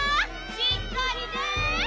しっかりね！